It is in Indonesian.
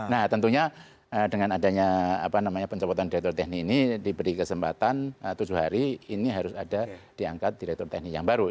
nah tentunya dengan adanya pencopotan direktur teknik ini diberi kesempatan tujuh hari ini harus ada diangkat direktur teknik yang baru